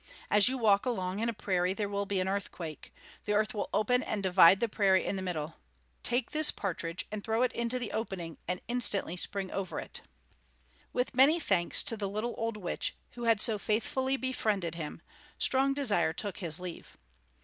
As you walk along in a prairie there will be an earthquake; the earth will open and divide the prairie in the middle. Take this partridge and throw it into the opening, and instantly spring over it." With many thanks to the little old witch, who had so faithfully befriended him, Strong Desire took his leave.